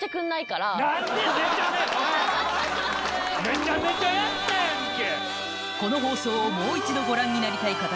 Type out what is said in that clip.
めちゃめちゃめちゃやったやんけ！